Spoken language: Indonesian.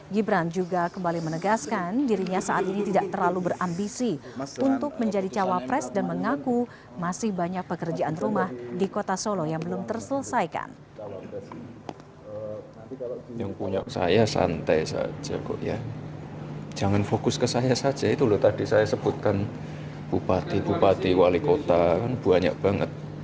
gibran juga kembali menegaskan dirinya saat ini tidak terlalu berambisi untuk menjadi cawapres dan mengaku masih banyak pekerjaan rumah di kota solo yang belum terselesaikan